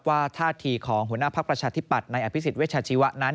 ท่าทีของหัวหน้าภักดิ์ประชาธิปัตย์ในอภิษฎเวชาชีวะนั้น